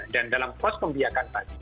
dan dalam proses pembiakan tadi